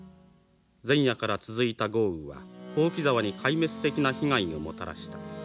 前夜から続いた豪雨は、箒沢に壊滅的な被害をもたらした。